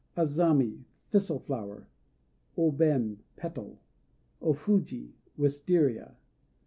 _ Azami "Thistle Flower." O Ben "Petal." O Fuji "Wistaria."